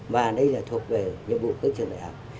và đây là thuộc về nhiệm vụ các trường đại học